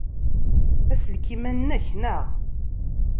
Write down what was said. Aselkim-a nnek, naɣ?